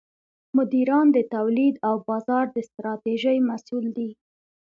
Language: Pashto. مدیران د تولید او بازار د ستراتیژۍ مسوول دي.